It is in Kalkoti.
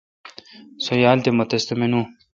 سو یال تھ مہ تس تہ مینو۔